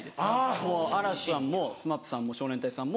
もう嵐さんもＳＭＡＰさんも少年隊さんも。